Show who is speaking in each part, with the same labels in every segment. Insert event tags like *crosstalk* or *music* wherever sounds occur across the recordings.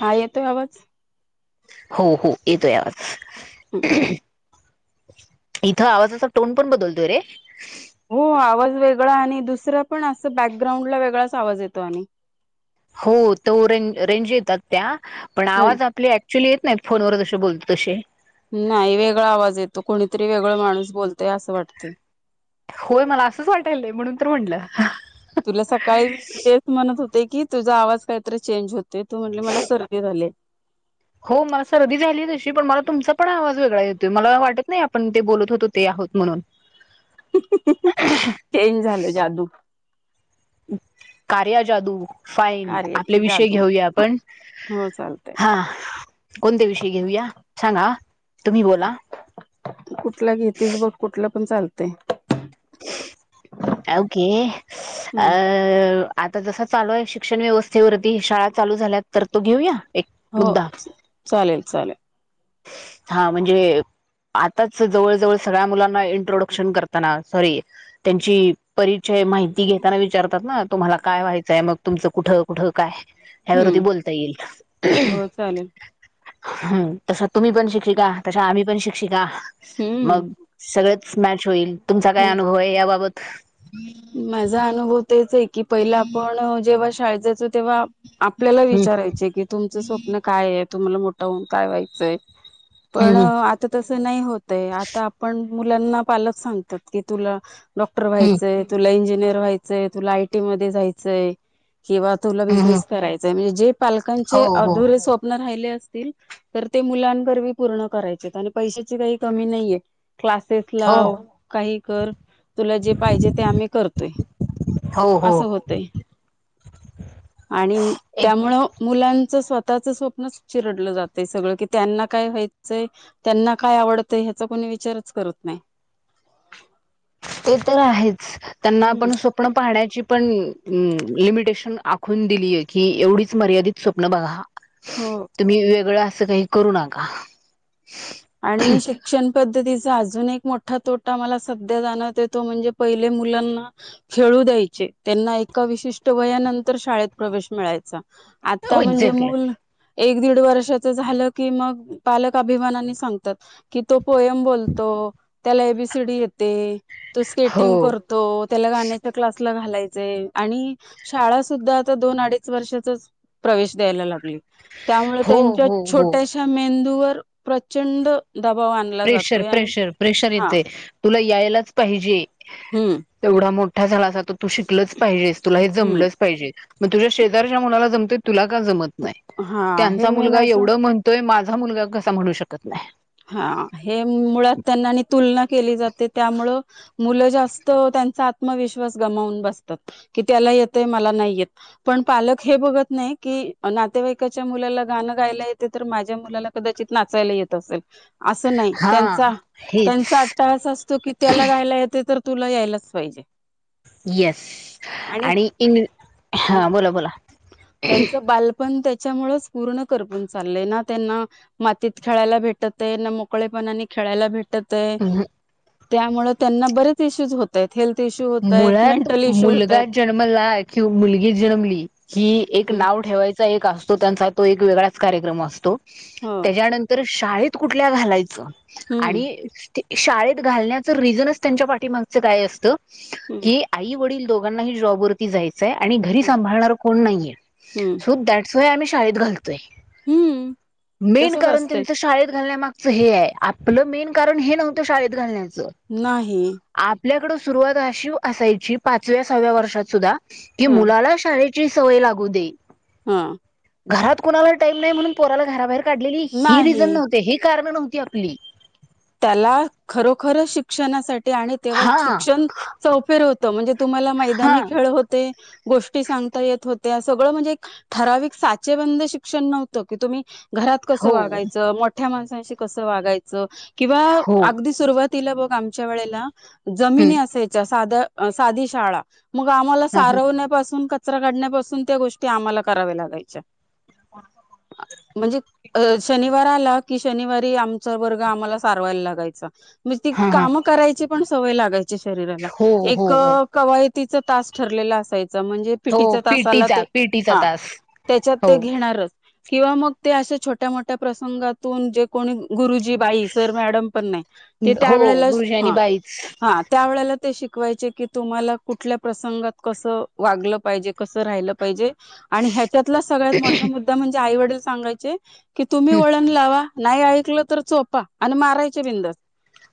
Speaker 1: हा येतोय आवाज.
Speaker 2: हो हो येतो आवाज.
Speaker 1: हम्म,
Speaker 2: इथं आवाजाचा टोन पण बदलतोय रे
Speaker 1: हो आवाज वेगळा आणि दुसरा पण असं बॅकग्राउंडला वेगळाच आवाज येतो आणि.
Speaker 2: हो तो रेंज रेंज येतात त्या पण
Speaker 1: ह
Speaker 2: आवाज आपल्या आहेत. क्चु येत नाही फोनवर जं बोलतो तशी
Speaker 1: नाही वेगळा आवाज येतो कोणीतरी वेगळा माणूस बोलतय असं वाटत.
Speaker 2: होय मला असंच वाटायलले म्हणून तर म्हटलं.
Speaker 1: तुला सकाळी तेच म्हणत होते की तुझा आवाज काहीतरी चेंज होते. तो म्हणला मला सर्दी झाली.
Speaker 2: हो मला सर्दी झाली तशी पण मला. तुमचा पण आवाज वेगळा येतो होेतो मला वाटत नाही आपण ते बोलत होतो ते आहोत म्हणून
Speaker 1: चेंज झाल जादू.
Speaker 2: कार्या जादू फाईन आपले
Speaker 1: आर्याची
Speaker 2: विषय
Speaker 1: जादू
Speaker 2: घेऊया पण
Speaker 1: हो चालतय
Speaker 2: हा कोणते विषय घेऊया सांगा तुम्ही बोला
Speaker 1: कुठला घेतस बघ कुठला पण चालतय.
Speaker 2: आवके आता जसा चालू आहे शिक्षण व्यवस्थेवरती शाळा चालू झाल्यात तर तो घेऊ या.
Speaker 1: हो चालेल चालेल.
Speaker 2: हा म्हणजे? आताच जवळ जवळ सगळ्या मुलांना इंट्रोडक्शन करताना सॉरी त्यांची परिचय माहिती घेताना विचारतात ना तुम्हाला काय व्हायचंय मग तुमचं कुठं कुठं काय यावरती ती
Speaker 1: हम्म
Speaker 2: बोलता येईल
Speaker 1: हो चालेल
Speaker 2: हम् तसं तुम्ही पण शिक्षिका तश्या आम्ही पण शिक्षिका
Speaker 1: हम्म
Speaker 2: मग सगळे मॅच होईल तुमचा काय
Speaker 1: हम्म
Speaker 2: अनुभव आहे याबाबत.
Speaker 1: माझा अनुभव तेच आहे की पहिलं आपण जेव्हा शाळेचे तेव्हा आपल्याला
Speaker 2: हम्म
Speaker 1: विचारायचे की तुमचं स्वप्न काय तुम्हाला मोठं होऊन काय व्हायचंय. पण
Speaker 2: हम्म
Speaker 1: आता तस नाही होतय आता आपण *unintelligible* मुलांना पालक सांगतात की तुला डॉक्टर
Speaker 2: हम्म
Speaker 1: व्हायचंय.? तुला इंजिनियर व्हायचंय तुला आयटी मध्ये जायचंय.? किंवा तुला
Speaker 2: हम्म
Speaker 1: बिझनेस करायचाय म्हणजे जे
Speaker 2: हो
Speaker 1: पालकांचे
Speaker 2: हो
Speaker 1: अधुरे स्वप्न राहिले असते तर ते मुलांन वर पूर्ण करायचे आणि पैशांची काही कमी नाहीये क्लासेस
Speaker 2: हो
Speaker 1: लाव काही कर तुला जे पाहिजे ते कर. ते आम्ही करतोय
Speaker 2: हो हो
Speaker 1: असं होतय आणि
Speaker 2: एक
Speaker 1: त्यामुळं मुलांच स्वतःच स्वप्न चिरडलं जातय सगळं की त्यांना काय व्हायचंय त्यांना काय आवडतंय हयाच कोणी विचारच करत नाही
Speaker 2: ते तर आहेच त्यांना
Speaker 1: हम्म
Speaker 2: आपण स्वप्न पाहण्याची पण लिमिटेशन आखून दिलीय की एवढीच मर्यादित स्वप्न बघा
Speaker 1: हो
Speaker 2: तुम्ही वेगळं असं काही करू नका
Speaker 1: आणि शिक्षण पद्धती अजून एक मोठा तोटा मला सध्या जाणव येतो म्हणजे पहिले मुलांना खेळू द्यायचे त्यांना एका विशिष्ट वयानंतर शाळेत प्रवेश मिळायचा आता म्हणजे
Speaker 2: एक्झॅक्टली
Speaker 1: मुलं एक दीड वर्षाच झालं की मग पालक अभिमानाने सांगतात की तो पोएम बोलतो त्याला एबीसीडी येते तो
Speaker 2: हो
Speaker 1: स्केटिंग करतो त्याला गाण्याच्या क्लास घालायच आणि शाळा सुद्धा आता दोन अडीच वर्षाचच प्रवेश द्यायला लागले त्यामुळे
Speaker 2: हो
Speaker 1: त्यांच्या
Speaker 2: हो हो
Speaker 1: छोट्याशा मेंदूवर प्रचंड दबाव आणला
Speaker 2: प्रेशर
Speaker 1: जातोय आणि
Speaker 2: प्रेशर प्रेशर
Speaker 1: हा
Speaker 2: येते तुला यायलाच पाहिजे
Speaker 1: हम्म
Speaker 2: तेवढा मोठा झाला अस तर तू शिकलच पाहिजेस तुला हे
Speaker 1: हम्म
Speaker 2: जमलंच पाहिजे मग तुझ्या शेजारच्या मुलाला जमत तुला जमत नाही
Speaker 1: हा हे
Speaker 2: त्यांचा
Speaker 1: मेन
Speaker 2: मुलगा
Speaker 1: असं
Speaker 2: एवढं म्हणतोय माझा मुलगा कसा म्हणू शकत नाही.
Speaker 1: हा हे मुळात त्यांना तुलना केली जाते त्यामुळं मुलं जास्त त्यांचा आत्मविश्वास गमावून बसतात की त्याला येतय मला नाही येत. पण पालक हे बघत नाही की नातेवाईकाच्या मुलाला गाणं गायला येते तर माझ्या मुलाला क नाचायला येत असेल असं नाही
Speaker 2: हा
Speaker 1: त्यांचा
Speaker 2: हेच
Speaker 1: त्यांचा अट्टा अस असतो की त्याला गायला येतं तर तुला यायलाच पाहिजे
Speaker 2: येस आणि इन ह बोला बोला
Speaker 1: याच्या मुळे च पूर्ण करपूण चालय ना त्यांना मातीत खेळायला भेट भेटत आहे ना मोकळेपणाने खेळायला भेटत आहे. त्यामुळे त्यांना बरेच इश्यूज होत आहेत हेल्थ इश्यू होत आहेत
Speaker 2: मुळात
Speaker 1: मेंटल इश्यू होत
Speaker 2: मुलगा
Speaker 1: आहेत
Speaker 2: जन्मला कि मुलगी जन्मली ही एक नाव ठेवायच एक असतो तंत्राचा एक वेगळाच कार्यक्रम असतो
Speaker 1: हो
Speaker 2: त्याच्यानंतर शाळेत कुठल्या घालायचं
Speaker 1: हम्म
Speaker 2: आणि. शाळेत घालण्याचं रिझनच त्यांच्या पाठीमागच काय असतं
Speaker 1: हम्म
Speaker 2: की आई वडील दोघांनाही जॉब वरती जायचंय घरी
Speaker 1: हम्म
Speaker 2: सांभाळायला कोणी नाही
Speaker 1: हम्म
Speaker 2: सो दॅट्स सोय आम्ही शाळेत घालतोय
Speaker 1: हम्म
Speaker 2: मेन
Speaker 1: तसच
Speaker 2: कारण
Speaker 1: असते
Speaker 2: त्यांचं शाळेत घालण्यामाग हे आहे आपलं मेन कारण हे नव्हतं शाळेत घालण्याच
Speaker 1: नाही.
Speaker 2: आपल्याकड सुरुवात अशी असायची पाचव्या सहाव्या वर्षात सुद्धा की
Speaker 1: ह
Speaker 2: मुलाला शाळेत ची सवोय लागू दे.
Speaker 1: हा
Speaker 2: घरात कोुणाला टाईम नाही म्हणून पोराला घराबाहेर काढलेली ही
Speaker 1: नाही
Speaker 2: रिझन नव्हते हे कारण नव्हतती ती आपली
Speaker 1: त्याला खरोखर शिक्षणासाठी आणि तेव्हा
Speaker 2: हा
Speaker 1: शिक्षण चौपेर होतं म्हणजे. तुम्हाला
Speaker 2: हा
Speaker 1: मैदानी खेळ होते. गोष्टी सांगता येत होत्या सगळं म्हणजे एक ठराविक साचेबंद शिक्षण नव्हतं की तुम्ही. घरात कसं
Speaker 2: हो
Speaker 1: वागायचं मोठ्या माणसांशी कसं वागायचं किंवा
Speaker 2: हो
Speaker 1: अगदी सुरुवात तिला बघ आमच्या वेळेला
Speaker 2: हम्म
Speaker 1: जमिनी असायच्या साध साधी शाळा मग आम्हाला
Speaker 2: ह ह
Speaker 1: सारवण्यापासून कचरा काढण्यापासून त्या गोष्टी आम्हाला कराव्या लागायच्या. म्हणजे अ शनिवार आला कि शनिवारी आमचा वर्ग आम्हाला. सारवायला लागायचा म्हणजे त
Speaker 2: हा हा
Speaker 1: काम करायची पण सवय लागायची. शरीराला
Speaker 2: हो हो
Speaker 1: एक
Speaker 2: हो
Speaker 1: कवायती तास ठरलेला असायच. म्हणजे
Speaker 2: हो
Speaker 1: पीटी तसाला
Speaker 2: पीटीचा
Speaker 1: ते
Speaker 2: पीटीचा
Speaker 1: हा
Speaker 2: तास
Speaker 1: त्याच्यात
Speaker 2: हो
Speaker 1: ते घेणारच. किंवा मग ते अशा छोट्या मोठ्या प्रसंगातून जे कोणी गुरुजी बा तर मॅडम पण नाही ते त्या
Speaker 2: हो
Speaker 1: वेळेला
Speaker 2: गुरुजी आणि
Speaker 1: हा
Speaker 2: बाईच
Speaker 1: हा त्या वेळेला. ते शिकवायचे की तुम्हाला कुठल्या प्रसंगात कसं वागलं पाहिजे कसं राहिलं पाहिजे. आणि ह्याच्यातला सगळ्यात मोठा मुद्दा म्हणजे आई वडील सांगायचे की तुम्ही
Speaker 2: हं,
Speaker 1: वळण लावा. नाही ऐकलं तर सोपा आणि मारायचे बिंदस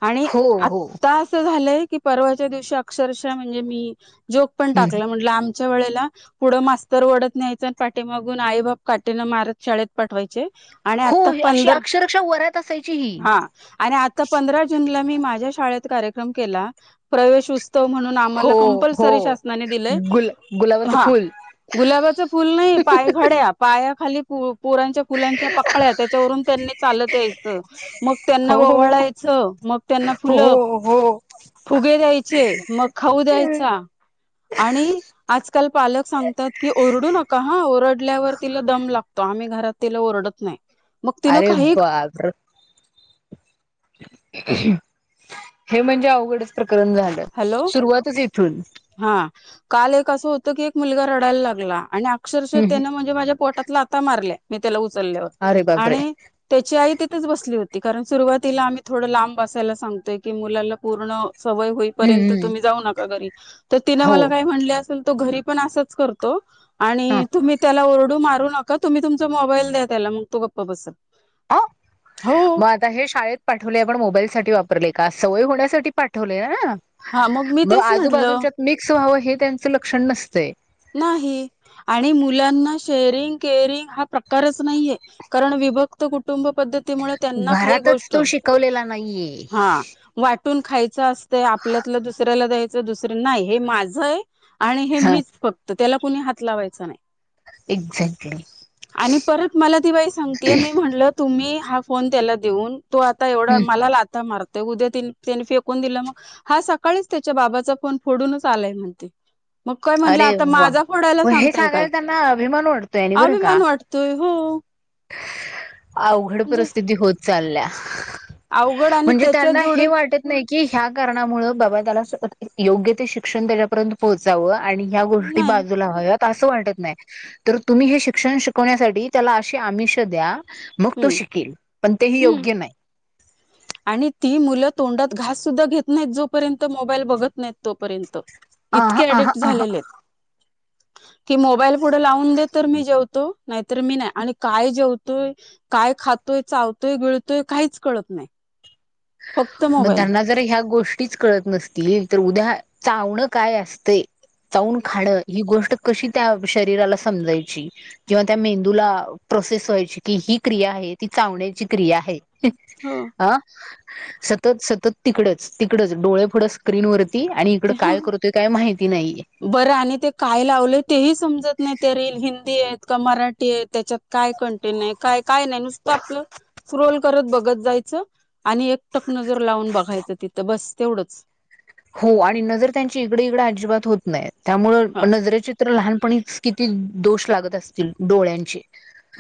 Speaker 1: आणि
Speaker 2: हो हो
Speaker 1: आता असं झालंय.. की परवाच्या दिवशी अक्षरशः म्हणजे मी जोक पण
Speaker 2: हं.
Speaker 1: टाकलं म्हट आ. च्या वेळेला पुढं मास्तर ओढत न्यायच आणि पाठीमागून आई बाप काटेन मारत शाळेत पाठवायचे. आणि आता
Speaker 2: होय अशी
Speaker 1: पंधरा
Speaker 2: अक्षरक्षा वरात असायची ह.
Speaker 1: हा आणि आता पंधरा जूनला मी माझ्या शाळेत कार्यक्रम केला प्रवेश उत्. त म्हणून
Speaker 2: हो
Speaker 1: आम्हाला
Speaker 2: हो
Speaker 1: कंपल्सरी शासनाने दिलंय
Speaker 2: गुल गुलाबाचं
Speaker 1: हा.
Speaker 2: फुल
Speaker 1: गुलाबाच फुल नाही पायघड्या पाया. खाली पोरांच्या फुलांच्या पकळ्या त्याच्यावरून त्यांनी चालत यायचं. मग त्यांना
Speaker 2: हो
Speaker 1: ववळायचं मग त्यांना
Speaker 2: हो
Speaker 1: फुल
Speaker 2: हो हो
Speaker 1: फुगे द्यायचे मग खाऊ द्यायचा. आणि आजकाल पालक सांगतात की ओरडू नका हा ओरडल्यावर तिला दम लागतो. आम्ही घरात तेला ओरडत नाही. मग तिनं
Speaker 2: अरे
Speaker 1: काही
Speaker 2: बरर. *unintelligible* हे म्हणजे अवघडच. झा
Speaker 1: हॅलो
Speaker 2: सुरुवातच इथून.
Speaker 1: हा काल एक असं होतं की एक मुलगा रडायला लागला आणि अक्षरशः त्या म्हणजे माझ्या पोटात. आता मारल्या मी त्याला उचलल्यावर
Speaker 2: अरे बापरे
Speaker 1: आणि त्याची आई तिथेच बसली होती. कारण सुरुवातीला आम्ही थोडं लांब अससायला सांगतोय की मुलाला पूर्ण सवय. पर्यंत तुम्ही जाऊ नका घरी. तर तिनं मला
Speaker 2: हो.
Speaker 1: काही म्हणले असेल तो घरी पण असंच करतो
Speaker 2: ह
Speaker 1: आणि तुम्ही त्याला ओर. मारू नका तुम्ही तुमचा मोबाईल द्या त्यालाग तो गप्प बसत.
Speaker 2: अ मग आता हे शाळेत पाठवले आपण मोबाईल साठी वाप. सवय होण्या साठी पाठवल ना
Speaker 1: हा मग मी
Speaker 2: म
Speaker 1: तेच म्हटलं
Speaker 2: आजूजच्या मिक्स व्हावं. हे त्यांचं लक्षण नसते.
Speaker 1: नाही आणि मुलाना शेरिंग केरिंग हा प्रकारच नाहीये कारण. विभक्त कुटुंब पद्धतीमुळे त्यांना काही
Speaker 2: घरातच
Speaker 1: गोष्ट
Speaker 2: तो शिकवलेला नाहीये
Speaker 1: ह. कुून खायचं असतंय आपल्यातलं दुसऱ्याला द्यायचं दुसरं नाही हे माझय. आणि हे
Speaker 2: हा
Speaker 1: मीच फक्त त्याला कुणी हात लावायच नाही.
Speaker 2: एक्झॅक्टली
Speaker 1: *unintelligible* आणी परत मला ती बाई सांगतेय मी म्हणल तुम्ही. हा फोन त्याला देऊन तो आता एवढा
Speaker 2: हम्म
Speaker 1: मला लाता मारतो. उद्या त्यानी फेकून दिलं मग हा सकाळीच त्याच्या बाबाचा फोन फोडूनच आलाय म्हणते. मग काय म्हणलं
Speaker 2: अरे
Speaker 1: आता
Speaker 2: वा.
Speaker 1: माझा फोडायला
Speaker 2: मग हे
Speaker 1: सांगताय
Speaker 2: सांगायला
Speaker 1: काय
Speaker 2: त्यांना अभिमान वाटतोय
Speaker 1: *unintelligible*
Speaker 2: आणि बरं का
Speaker 1: अभिमान वाटतोय. हो.
Speaker 2: अवघड
Speaker 1: म्हणजे
Speaker 2: परिस्थिती होत चालल्या.
Speaker 1: अवघड आणि
Speaker 2: म्हणजे
Speaker 1: त्याच्या
Speaker 2: त्यांना हे
Speaker 1: जोडी
Speaker 2: वाटत नाही. कि ह्या कारणामुळें बाबा त्याला योग्य ते शिक्षण त्याच्यापर्यंत पोहोचावं. आणि ह्या गोष्टी
Speaker 1: नाही
Speaker 2: बाजूला हव्यात असं वाटत नाही तर तुम्ही हे शिक्षण शिकवण्यासाठी त्याला. आमिष द्या मग तो
Speaker 1: हम्म.
Speaker 2: शिकेल पण तेही
Speaker 1: हम्म.
Speaker 2: योग्य नाही.
Speaker 1: आणि ती मुलं तोंडात घास सुद्धा घेत नाहीत जोपर्यंत मोबाईल बघत नाहीत तोपर्यंत.
Speaker 2: आहा
Speaker 1: इतके
Speaker 2: आहा
Speaker 1: अडिक्ट
Speaker 2: आहा
Speaker 1: झालेले. कि मोबाईल पुढे लावून देत तर मी जेवतो नाहीतर मी नाही आणि काय जेवतोय काय खातो तोय चावतोय. गिळतोय. काहीच कळत नाही. फक्त
Speaker 2: मग
Speaker 1: मोबाईल
Speaker 2: त्यांना जर ह्या गोष्टीच कळत नसतील तर उद्या चावणं काय असते. चाऊन खान ही गोष्ट कशी त्या शरीराला समजायची. किंवा त्या मेंदूला प्रोसेस व्हायची की ही क्रिया आहे. ती चावण्याची क्रिया आहे.
Speaker 1: हो
Speaker 2: ह सतत सतत तिकडच. तिकडच. डोळे पुुढं स्क्रीनवर आणि इकडे काय करतोय काय माहित.
Speaker 1: बर आणि ते काय लावले तेही समजत नाही. ते रील हिंदी आहेत. का मराठी आहे. त्याच्यात काय कंटेंट आहे. काय काय नाही नुसतं आपलं स्क्रोल करत बघत जायचं आणि एक टकन जर लावून बघायचं तिथं बस तेवढंच-
Speaker 2: हो आणि नजर त्यांची इकडे इकडें अजिबात होत नाही त्यामुळ
Speaker 1: हा
Speaker 2: नजरेचित्र लहान- पण किती दोष लागत असतील डोळ्यांचे-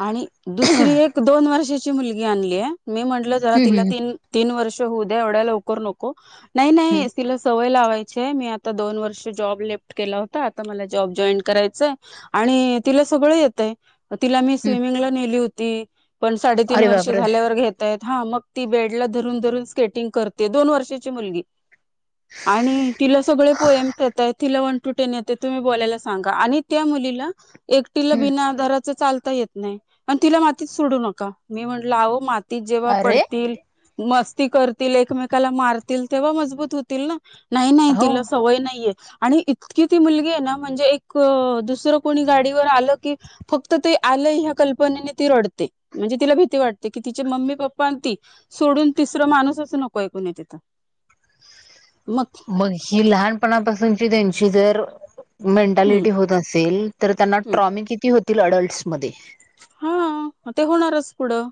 Speaker 1: आणि दुसरी एक दोन वर्षाची मुलगी आणली आहे. मी म्हटल जरा
Speaker 2: हम्म हम्म
Speaker 1: तिलाी तीन वर्ष होऊ द्या एवढ्या लवकर नको- नाही नाही
Speaker 2: हम्म
Speaker 1: ए तिला सवय लावा. व जला ज कय,, - सळ य ति *unintelligible*
Speaker 2: हम्म
Speaker 1: स्विमिंगला नेली होती पण साडेतीन
Speaker 2: अरे
Speaker 1: वर्षे
Speaker 2: बापरे
Speaker 1: झाल्यावर घेताय. हा मग ती बेड ला धरून धरून स्केटिंग करते दोन वर्षाची मुलगी- आणि तिला सगळे पोयम येतात तिला- टेेते तुम्ही बोलायला सांगा आणि त्या मुलीला एकटीला
Speaker 2: हम्म
Speaker 1: बिना आधाराच चालता येत. नाही पण तिला मातीत सोडू नका मी म्हटलं आहो मातीत जेव्हा
Speaker 2: अरे
Speaker 1: पडतील- मस्ती करतील एकमेकाला मारतील तेव्हा मजबूत होतील ना, नाही नाही
Speaker 2: हो
Speaker 1: तिला सवय नाहीये. आणि इतकी ती मुलगी आहे ना म्हणजे एक दुसरं कोणी गाडीवर आलं की फक्त ते आलेय- कल्पनेन ती रडते म्हणजे तिला भीती वाटते तिचे मम्मी पप्पा ती सोडून तिसरं माणूस - नको ण तिथ *inaudible*
Speaker 2: मग ही लहानपणापासूनची त्यांची जर-
Speaker 1: हम्म
Speaker 2: मेंटॅलिटी होत असेल तर त्यांना
Speaker 1: हम्म
Speaker 2: ट्रॉमीिक किती होतील अडल्टसमध्येध्ये-
Speaker 1: हा ते होणारच पुढं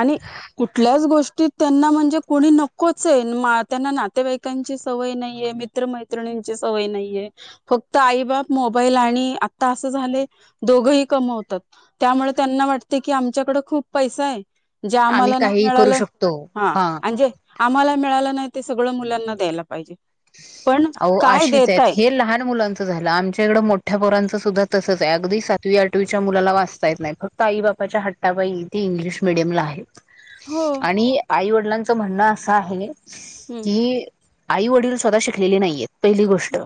Speaker 1: आणि कुठल्याच गोष्टी- त त्यांना म्हणजे कोणी नकोच आहे त्यांना नातेवाईकांची सवय नाहीये मित्रमैत्रिण सवय नाहीये फक्त आई बाप मोबाईल आणि आता असं झाले दोघही कमवतात. त्यामुळे त्यांना वाटते की आमच्याकड खूप पैसा आहे. जे
Speaker 2: आम्ही
Speaker 1: आम्हाला नाही
Speaker 2: काहीही करू
Speaker 1: मिळालं
Speaker 2: शकतो
Speaker 1: हा म्हजे- आम्हाला मिळालं नाही ते सगळं मुलांना द्यायला *inaudible* पण
Speaker 2: अ
Speaker 1: काय
Speaker 2: अेच आहेत
Speaker 1: देताय
Speaker 2: हे लहान मुलांच झालं आमच्या इकडं मोठ्या पोरांचं सुद्धा- तसंच आहे अगदी सातवी आठवीच्या मुलाला वाचता येत नाही फक्त आई बापाच्या हट्टाबाईथे इंग्लिश मिीडियमला आहे.
Speaker 1: हो
Speaker 2: आणि आई वडिलांच म्हणणं असं आहे
Speaker 1: हम्म
Speaker 2: की आई वडील- स्वतः शिकलेली नाही आहेत पहिली गोष्ट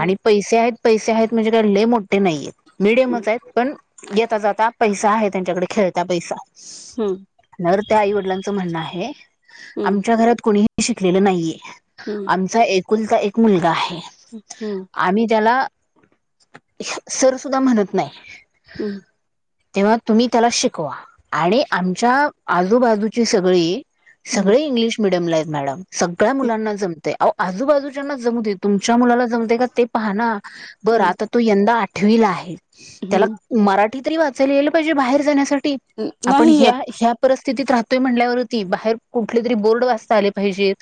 Speaker 2: आणि पैसे आहेत पैसे आहेत म्हणजे कडले मोठठे नाही आहेत.
Speaker 1: हम्म
Speaker 2: मिीडियमच आहेत पण येता जाता पैसा आहे त्यांच्याकडे खेळता पैसा-
Speaker 1: हम्म *inaudible*
Speaker 2: तर त्या आई वडिलांचं म्हणणं आहे
Speaker 1: हम्म
Speaker 2: आमच्या घरात कोणीही शिकलेलं नाहीये
Speaker 1: हम्म *inaudible*
Speaker 2: आमचा एकुलता एक मुलगा आहे, आम्ही त्याला सर सुुद्धा म्हणत नाही.
Speaker 1: हम्म *inaudible*
Speaker 2: तेव्हा तुम्ही त्याला शिकवा आणि आमच्या आजूबाजूची सगळी-
Speaker 1: हम्म
Speaker 2: सगळे इंग्लिश मिडियमला आहेत मॅडम सगळ्या मुलांना जमते अहो आजूबाजूच्याना जम तुमच्या मुलाला जमते का ते पाह ना बरं
Speaker 1: हम्म
Speaker 2: आता तो यंदा आठवीला आहे. त्याला
Speaker 1: हम्म
Speaker 2: मराठी तरी वाचायला गपाहिजे बाहेर जाण्यासाठी, आपण
Speaker 1: नाही येत
Speaker 2: या परिस्थितीत राहतोय म्हणल्यावरती बाहेर कुठले तरी बोर्ड वाचता आले पाहिजेत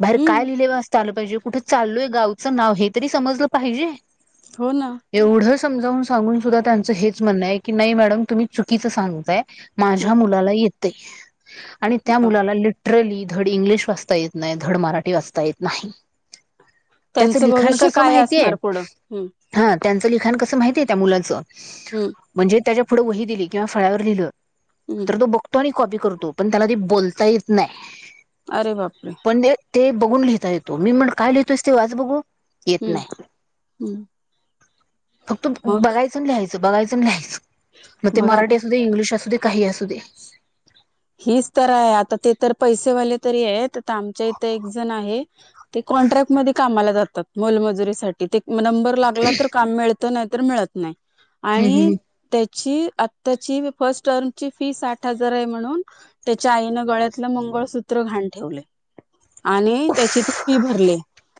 Speaker 2: बाहेर काय
Speaker 1: हम्म
Speaker 2: लिहिले. कळालं पाहिजे. कुठे चाललोय गावचं नाव हे तरी समजलं पाहिजे.
Speaker 1: हो ना.
Speaker 2: समजवून सांगून सुद्धा त्यांच हेच म्हण आहे की, नाही मॅडम तुम्ही चुकीचं सांगताय.
Speaker 1: हं.
Speaker 2: माझ्या मुलाला येतय. आणि त्या मुलाला लिटरली धड इंग्लिश वाचता येत नाही. धड मराठी वाचता येत नाही. त्याच
Speaker 1: त्यांचं
Speaker 2: लिखाण
Speaker 1: भविष्य
Speaker 2: कसं
Speaker 1: काय
Speaker 2: माहितीय.
Speaker 1: असणार पुढं हम्म
Speaker 2: हा त्यांचं लिखाण कस माहितीय त्या मुलाच
Speaker 1: हम्म
Speaker 2: म्हणजे त्याच्या पुढं वही दिली. किंवा फळावर लिहिलं.
Speaker 1: हम्म
Speaker 2: तर तो बघतो आणि कॉपी करतो पण त्याला ते बोलता येत नाही.
Speaker 1: अरे बापरे.
Speaker 2: पण ते बघून लिहिता येतो. मी म्हणल काय लिहतोस ते वाच बघू. येत
Speaker 1: हम्म
Speaker 2: नाही.
Speaker 1: हम्म
Speaker 2: फक्तं
Speaker 1: मग
Speaker 2: बघायचन लिहायचं. बघायचन लिहायचं. मग ते मराठी असू दे. इंग्लिश असू दे. काही असू दे.
Speaker 1: हीच तर आहे. आता ते तर पैसेवाले तरी आहेत. आमच्या इथ एकजण आहे ते कॉन्ट्रॅक्टमध्ये कामाला जातात. मोलमजुरीसाठी. ते नंबर लागला तर काम मिळत. नाही तर मिळत नाही.
Speaker 2: हम्
Speaker 1: आणि
Speaker 2: हम्
Speaker 1: त्या आताची आत्ताची फर्स्ट टर्म ची फी साठ हजार आहे म्हणून त्याच्या आईन गळ्यातलं मंगळसूत्र घाण ठेवलय. आणि त्याची ते फी भरली.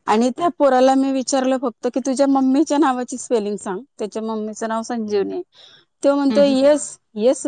Speaker 1: आणि त्या पोराला मी विचारल फक्त की तुझ्या मम्मीच्या नावाची स्पेलिंग सांग. त्याच्या मम्मीचं नाव संग तो म्हणतो.
Speaker 2: हम्
Speaker 1: येस येस